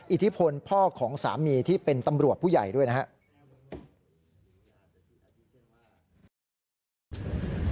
อิทธิพลพ่อของสามีที่เป็นตำรวจผู้ใหญ่ด้วยนะครับ